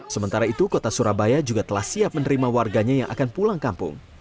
sementara itu kota surabaya juga telah siap menerima warganya yang akan pulang kampung